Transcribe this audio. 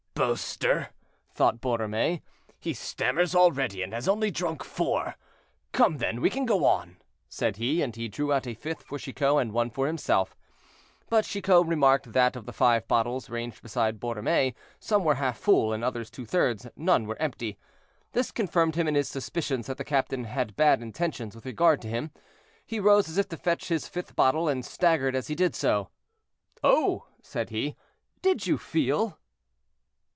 "Boaster!" thought Borromée, "he stammers already, and has only drunk four. Come, then, we can go on," said he, and he drew out a fifth for Chicot and one for himself. But Chicot remarked that of the five bottles ranged beside Borromée some were half full, and others two thirds; none were empty. This confirmed him in his suspicions that the captain had bad intentions with regard to him. He rose as if to fetch his fifth bottle, and staggered as he did so. "Oh!" said he, "did you feel?"